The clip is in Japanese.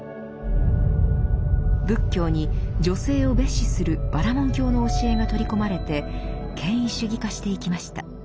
仏教に女性を蔑視するバラモン教の教えが取り込まれて権威主義化していきました。